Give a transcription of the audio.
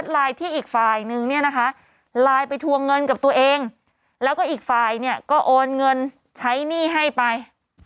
โดนเงินกับตัวเองแล้วก็อีกไฟล์เนี่ยก็โอนเงินใช้หนี้ให้ไป